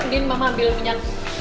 din mama ambil minyak minyak dulu ya